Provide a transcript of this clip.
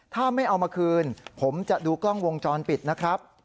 ถ้าไม่เอามาคืนผมจะดูกล้องวงจรปิดนะครับ